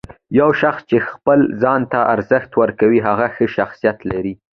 یو شخص چې خپل ځان ته ارزښت ورکوي، هغه ښه شخصیت لري.